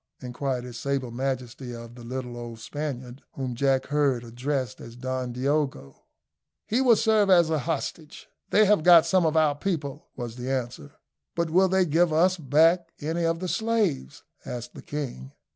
inquired his sable majesty of the little old Spaniard, whom Jack heard addressed as Don Diogo. "He will serve as a hostage they have got some of our people," was the answer. "But will they give us back any of the slaves?" asked the king.